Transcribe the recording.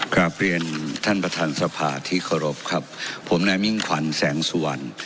กลับเรียนท่านประธานสภาที่เคารพครับผมนายมิ่งขวัญแสงสุวรรณ